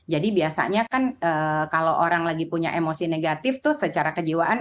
jadi biasanya kan kalau orang lagi punya emosi negatif tuh secara kejiwaan